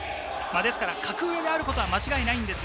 ですから格上であることは間違いありません。